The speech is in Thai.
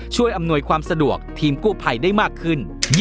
อำนวยความสะดวกทีมกู้ภัยได้มากขึ้น